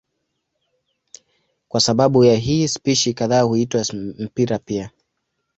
Kwa sababu ya hii spishi kadhaa huitwa mpira pia.